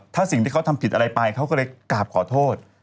ถ้าสิ่งที่เขาทำผิดอะไรไปเขาก็เลยกราบขอโทษ